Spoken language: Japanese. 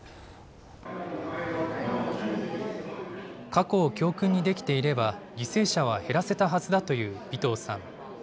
過去を教訓にできていれば、犠牲者は減らせたはずだという尾藤さん。